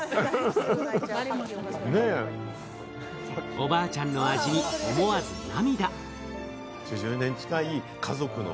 おばあちゃんの味に思わず涙。